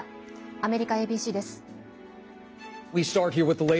アメリカＡＢＣです。